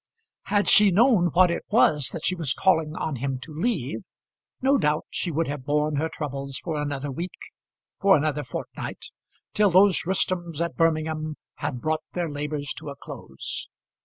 Had she known what it was that she was calling on him to leave, no doubt she would have borne her troubles for another week, for another fortnight, till those Rustums at Birmingham had brought their labours to a close.